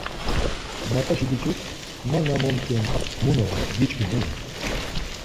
Mapaşi biç̌ik, Mana momç̌un mun oren giçkini?